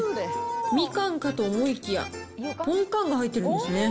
みかんかと思いきや、ぽんかんが入ってるんですね。